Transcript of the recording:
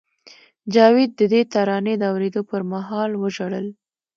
جاوید د دې ترانې د اورېدو پر مهال وژړل